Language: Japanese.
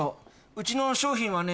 うちの商品はね